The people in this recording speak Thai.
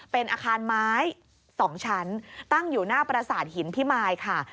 เป็นอาคารไม้๒ชั้นตั้งอยู่หน้าประสาทหินพิมายค่ะ